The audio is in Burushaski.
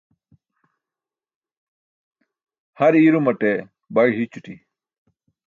Har iirumaṭe baẏ hićuṭi.